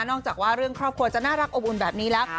จากว่าเรื่องครอบครัวจะน่ารักอบอุ่นแบบนี้แล้ว